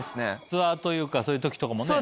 ツアーというかそういう時とかもね。